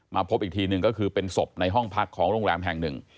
พบอีกทีหนึ่งก็คือเป็นศพในห้องพักของโรงแรมแห่งหนึ่ง